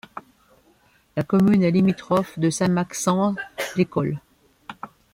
La commune est limitrophe de Saint-Maixent-l'Ecole.